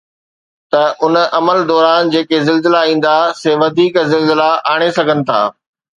ته ان عمل دوران جيڪي زلزلا ايندا، سي وڌيڪ زلزلا آڻي سگهن ٿا